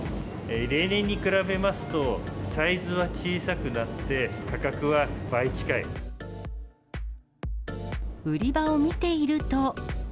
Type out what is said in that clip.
例年に比べますと、サイズは小さ売り場を見ていると。